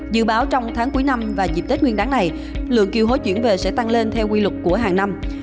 dự báo trong tháng cuối năm và dịp tết nguyên đáng này lượng kiều hối chuyển về sẽ tăng lên theo quy luật của hàng năm